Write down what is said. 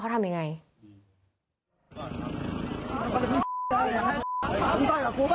ครับครับคุณแม่ง